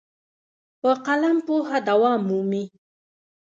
په قلم پوهه دوام مومي.